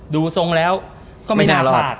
ดูทรงแล้วก็ไม่น่าพลาด